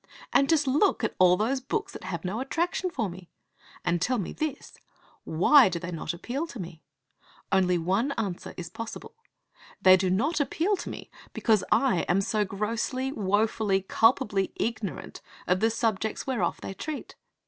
And just look at all these books that have no attraction for me! And tell me this: Why do they not appeal to me? Only one answer is possible. They do not appeal to me because I am so grossly, wofully, culpably ignorant of the subjects whereof they treat.